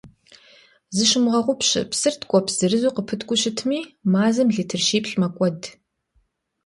Зыщумыгъэгъупщэ: псыр ткӀуэпс зырызу къыпыткӀуу щытми, мазэм литр щиплӀ мэкӀуэд.